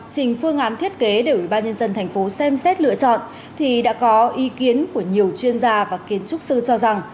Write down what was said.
trình phương án thiết kế để ubnd tp xem xét lựa chọn thì đã có ý kiến của nhiều chuyên gia và kiến trúc sư cho rằng